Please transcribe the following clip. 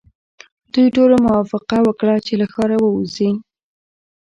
دوی ټولو موافقه وکړه چې له ښاره وځي.